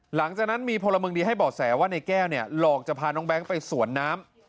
หลังจากนั้นมีพลมึงดีให้บอกแสว่าในแก้วหลอกจะพาน้องแบ๊งก์ไปสวนน้ำ